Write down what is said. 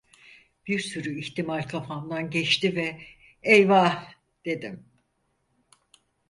Bir sürü ihtimal kafamdan geçti ve "Eyvah!" dedim.